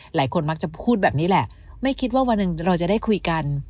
หลายคนมักจะพูดแบบนี้แหละไม่คิดว่าวันหนึ่งเราจะได้คุยกัน